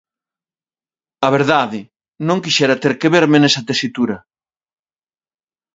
A verdade, non quixera ter que verme nesa tesitura.